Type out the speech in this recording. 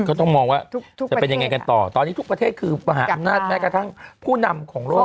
ก็ต้องมองว่าจะเป็นยังไงกันต่อตอนนี้ทุกประเทศคือมหาอำนาจแม้กระทั่งผู้นำของโลก